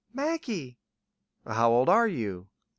"Maggie." "How old are you?"